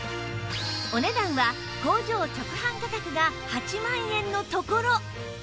お値段は工場直販価格が８万円のところ